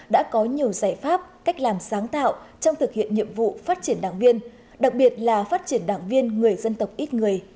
đã có nhiều giải pháp cách làm sáng tạo trong thực hiện nhiệm vụ phát triển đảng viên đặc biệt là phát triển đảng viên người dân tộc ít người